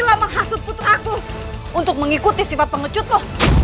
sama khasut putraku untuk mengikuti sifat pengecutmu